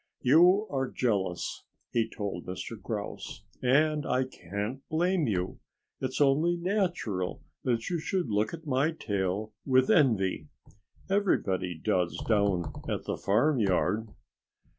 "You are jealous," he told Mr. Grouse. "And I can't blame you. It's only natural that you should look at my tail with envy. Everybody does down at the farmyard."